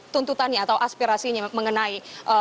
tuntutannya atau aspirasinya mengenai